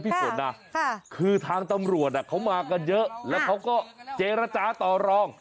ฝนนะคือทางตำรวจเขามากันเยอะแล้วเขาก็เจรจาต่อรอง